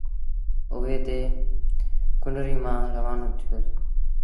اُئي تي ڪنريٚ مآݩ روآنو ٿيو س۔